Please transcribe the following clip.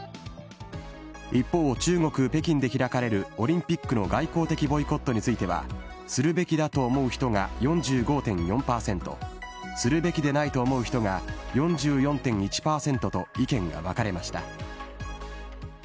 一方、中国・北京で開かれるオリンピックの外交的ボイコットについては、するべきだと思う人が４５．４％、するべきでないと思う人が４４．１％と、意見が分かれました。